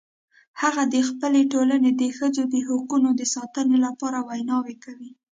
هغه د خپل ټولنې د ښځو د حقونو د ساتنې لپاره ویناوې کوي